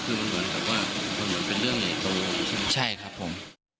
คือมันเหมือนกับว่ามันเหมือนเป็นเรื่องใหญ่โตใช่ครับผม